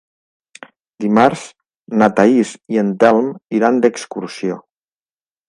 Dimarts na Thaís i en Telm iran d'excursió.